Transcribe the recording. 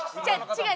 違う！